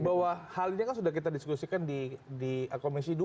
bahwa hal ini kan sudah kita diskusikan di komisi dua